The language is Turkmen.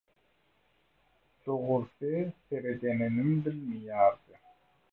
Dogrusy, seredeninem bilmeýärdi.